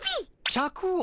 シャクを？